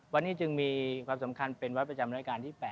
วันนี้จึงมีความสำคัญเป็นวัดประจำรายการที่๘